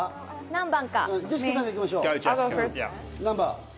何番？